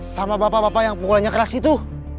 sama bapak bapak yang pukulannya keras itu